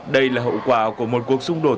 đây là hậu quả của một cuộc xung đột